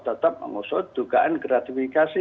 tetap mengusut dugaan gratifikasi